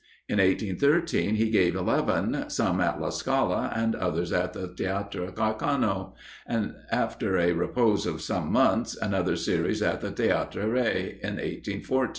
In 1813 he gave eleven, some at La Scala, and others at the Theatre Carcano; and, after a repose of some months, another series at the Theatre Rè, in 1814.